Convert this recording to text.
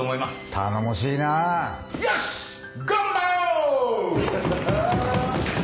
頼もしいな！よし頑張ろう！